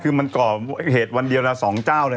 คือมันก่อเหตุวันเดียวละสองเจ้าเลย